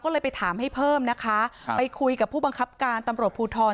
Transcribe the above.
ก็เลยไปถามให้เพิ่มนะคะไปคุยกับผู้บังคับการตำรวจภูทร